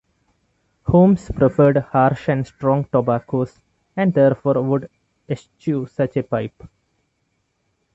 Holmes preferred harsh and strong tobaccos and therefore would eschew such a pipe.